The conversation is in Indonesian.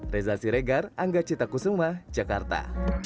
reza siregar angga cita kusuma jakarta